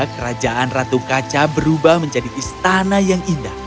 kerajaan ratu kaca berubah menjadi istana yang indah